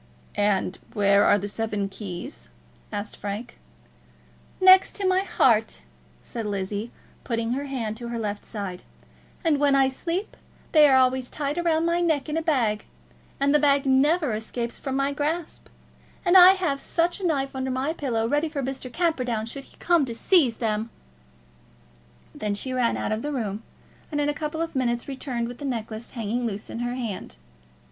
"And where are the seven keys?" asked Frank. "Next to my heart," said Lizzie, putting her hand on her left side. "And when I sleep they are always tied round my neck in a bag, and the bag never escapes from my grasp. And I have such a knife under my pillow, ready for Mr. Camperdown should he come to seize them!" Then she ran out of the room, and in a couple of minutes returned with the necklace hanging loose in her hand.